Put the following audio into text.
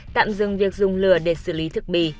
tạm dừng việc dùng lửa để xử lý thức bị